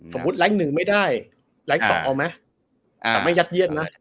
สมมุติแรงก์๑ไม่ได้แรงก์๒เอาไหมแต่ไม่ยัดเยื่อนนะ